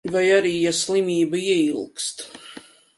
Vai arī, ja slimība ieilgst.